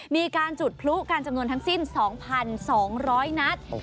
มีการจุดพลุกันจำนวนทั้งสิ้น๒๒๐๐นัด